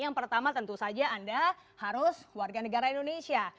yang pertama tentu saja anda harus warga negara indonesia